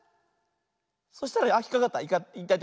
そしたらあっひっかかった。